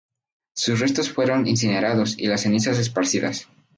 Sus restos fueron incinerados, y las cenizas esparcidas.